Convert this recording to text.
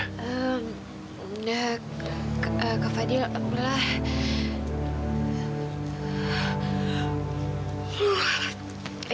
ehm kak fadil lah